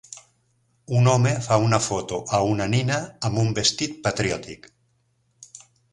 Un home fa una foto a una nina amb un vestit patriòtic